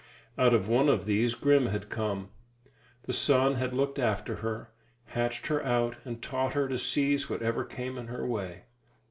Out of one of these Grim had come. The sun had looked after her, hatched her out, and taught her to seize whatever came in her way.